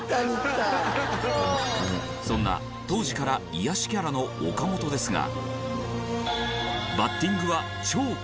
そんな当時から癒やしキャラの岡本ですが。